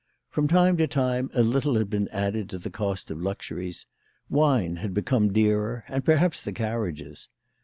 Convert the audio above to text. From time to time a little had been added to the cost of luxuries. "Wine had become dearer, and perhaps the carriages.